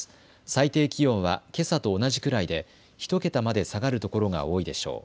最低気温はけさと同じくらいで１桁まで下がる所が多いでしょう。